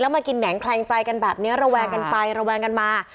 แล้วมากินแหน่งแคลงใจกันแบบนี้ระวังกันไประวังกันมา